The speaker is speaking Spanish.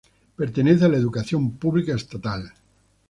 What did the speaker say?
Pertenece a la educación pública estatal.